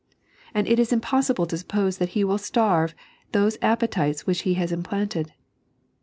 And it is impossible to suppose that He will starve those appetites which He has implant«d.